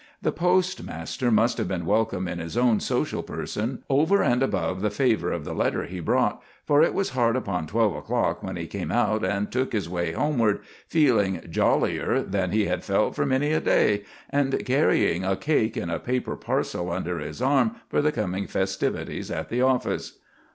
The postmaster must have been welcome in his own social person over and above the favor of the letter he brought, for it was hard upon twelve o'clock when he came out and took his way homeward, feeling jollier than he had felt for many a day, and carrying a cake in a paper parcel under his arm for the coming festivities at the office.